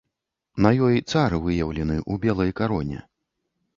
На ёй цар выяўлены ў белай кароне.